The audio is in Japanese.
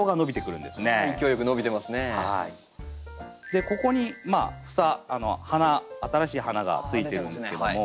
でここに房新しい花がついてるんですけども。